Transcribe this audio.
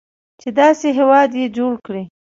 چې داسې هیواد یې جوړ کړی.